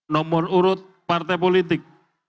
nomor urut partai politik